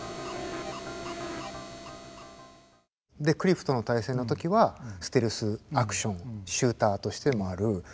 でクリフとの対戦の時はステルスアクションシューターとしてもある。